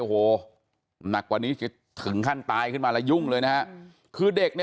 หนักกว่านี้จะถึงขั้นตายขึ้นมา